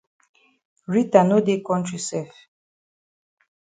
Rita no dey kontri sef.